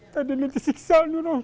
tadi disiksa dulu nanti